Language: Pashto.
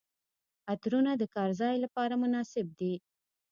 عطرونه د کار ځای لپاره مناسب دي.